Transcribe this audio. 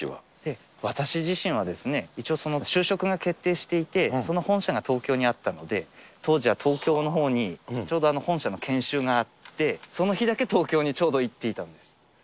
私自身はですね、一応、就職が決定していて、その本社が東京にあったので、当時は東京のほうに、ちょうど本社の研修があって、その日だけ東京にちょうど行っていたんです。